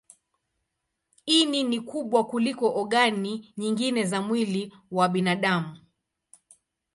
Ini ni kubwa kuliko ogani nyingine za mwili wa binadamu.